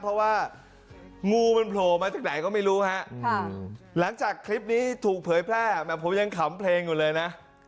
เพราะว่างูมันโผล่มาจากไหนก็ไม่รู้ฮะหลังจากคลิปนี้ถูกเผยแพร่ผมยังขำเพลงอยู่เลยนะ